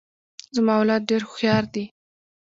زما اولاد ډیر هوښیار دي.